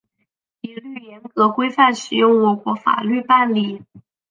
一律严格、规范适用我国法律办理